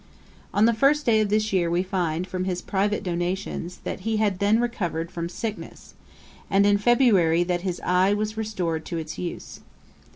] On the first day of this year we find from his private devotions, that he had then recovered from sickness; and in February that his eye was restored to its use.